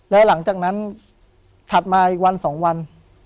และหลังจากนั้นถัดมาอีกวัน๒วัน